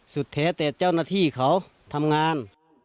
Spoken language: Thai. สุดเถี๋ยวเตะเจ้าหน้าที่เขาทำงาน